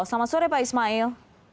selamat sore pak ismail